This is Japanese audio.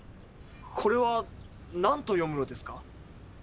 これはなんと読むのですか？